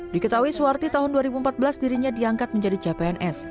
diketahui suwarti tahun dua ribu empat belas dirinya diangkat menjadi cpns